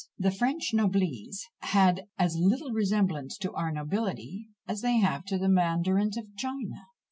The French noblesse had as little resemblance to our nobility as they have to the Mandarins of China.